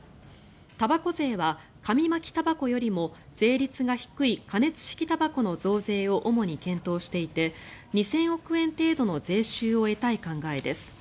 たばこ税は紙巻きたばこよりも税率が低い加熱式たばこの増税を主に検討していて２０００億円程度の税収を得たい考えです。